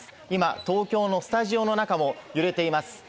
今、東京のスタジオの中も揺れています。